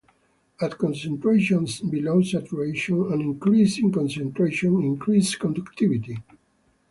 At concentrations below saturation, an increase in concentration increases conductivity.